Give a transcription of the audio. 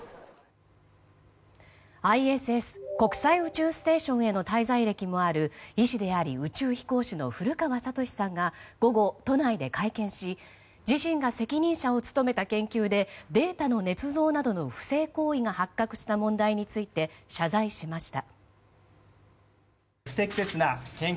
ＩＳＳ・国際宇宙ステーションへの滞在歴もある医師であり宇宙飛行士の古川聡さんが午後、都内で会見し自身が責任者を務めた研究でデータのねつ造などの不正行為が発覚した問題について謝罪しました。